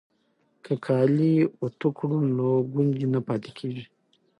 که کالي اوتو کړو نو ګونځې نه پاتې کیږي.